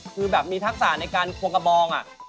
คือแบบมีทักษะในการควงกระบอง